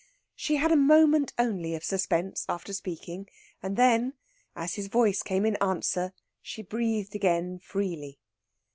She had a moment only of suspense after speaking, and then, as his voice came in answer, she breathed again freely.